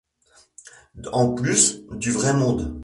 En plus du vrai monde.